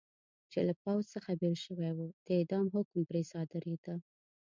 چې له پوځ څخه بېل شوي و، د اعدام حکم پرې صادرېده.